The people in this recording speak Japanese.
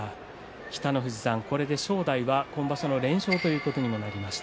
北の富士さん、これで正代は今場所の連勝ということになりました。